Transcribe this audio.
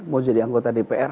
mau jadi anggota dpr